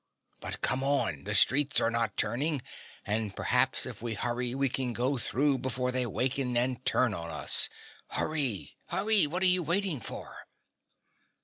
"But come on, the streets are not turning, and perhaps if we hurry we can go through before they waken and turn on us. Hurry hurry what are you waiting for?"